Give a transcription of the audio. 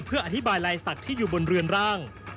เพื่ออธิบายลายศักดิ์ที่อยู่บนเรือนร่าง